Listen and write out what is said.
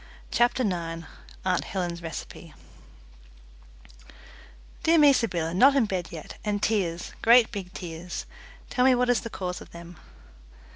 CHAPTER NINE Aunt Helen's Recipe "Dear me, Sybylla, not in bed yet, and tears, great big tears! Tell me what is the cause of them."